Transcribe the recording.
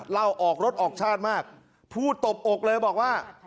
เล่าออกรถออกชาติมากพูดตบอกเลยบอกว่า